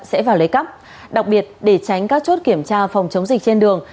sẽ vào lấy cắp đặc biệt để tránh các chốt kiểm tra phòng chống dịch trên đường